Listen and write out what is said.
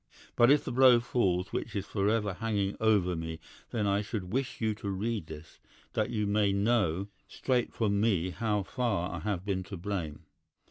But if the blow falls which is forever hanging over me, then I should wish you to read this, that you may know straight from me how far I have been to blame.